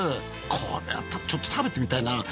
これはちょっと食べてみたいな。